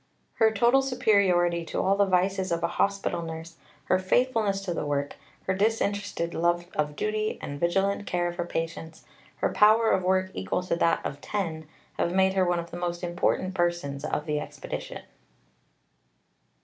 Her total superiority to all the vices of a Hospital Nurse, her faithfulness to the work, her disinterested love of duty and vigilant care of her patients, her power of work equal to that of ten, have made her one of the most important persons of the expedition."